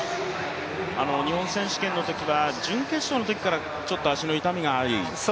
日本選手権のときは、準決勝のときから足の痛みがあり。